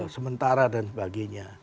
sementara dan sebagainya